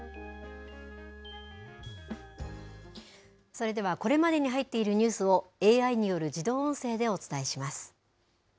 それでは、これまでに入っているニュースをＡＩによる自動音声でお伝えしま